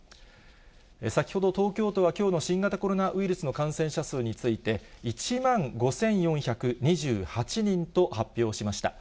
先ほど東京都は、きょうの新型コロナウイルスの感染者数について、１万５４２８人と発表しました。